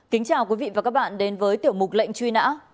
kính chào quý vị và các bạn đến với tiểu mục lệnh truy nã